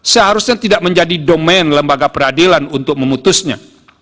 seharusnya tidak menjadi domain lembaga peradilan untuk memutusnya